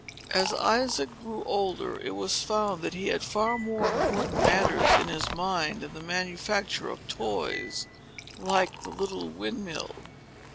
As Isaac grew older, it was found that he had far more important matters in his mind than the manufacture of toys, like the little windmill.